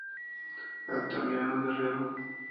Altamirano, Guerrero.